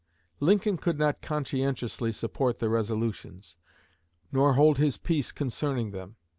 Lincoln could not conscientiously support the resolutions, nor hold his peace concerning them.